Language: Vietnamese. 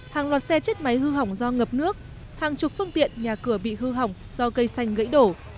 hàng loạt xe chết máy hư hỏng do ngập nước hàng chục phương tiện nhà cửa bị hư hỏng do cây xanh gãy đổ